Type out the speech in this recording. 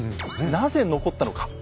なぜ残ったのか。